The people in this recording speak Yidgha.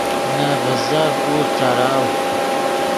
نے ڤیزف اوݰ ݯراؤ